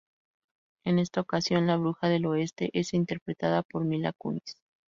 En esta ocasión, la bruja del oeste es interpretada por Mila Kunis.